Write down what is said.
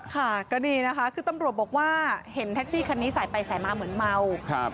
ค่ะก็นี่นะคะคือตำรวจบอกว่าเห็นแท็กซี่คันนี้สายไปสายมาเหมือนเมาครับ